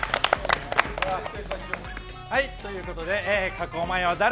加工前は誰？